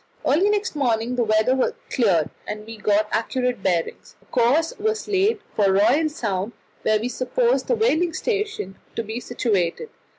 Early next morning the weather cleared, and we got accurate bearings. A course was laid for Royal Sound, where we supposed the whaling station to be situated.